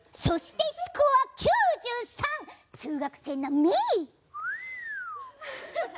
そして、スコア９３！中学生並み！